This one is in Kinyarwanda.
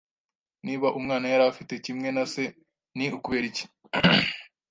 Niba Umwana yari afite kimwe na Se ni ukubera iki